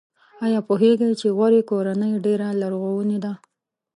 ایا پوهیږئ چې غوري کورنۍ ډېره لرغونې ده؟